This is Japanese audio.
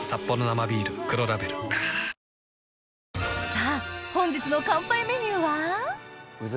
さぁ本日の乾杯メニューは？